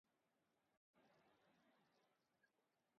بہت نیچے سروں میں ہے ابھی یورپ کا واویلا